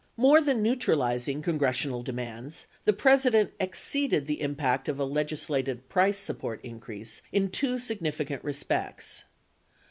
More than neutralizing congressional demands, the President ex ceeded the impact of a legislated price support increase in two sig nificant respects.